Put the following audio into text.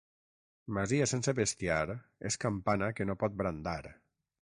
Masia sense bestiar és campana que no pot brandar.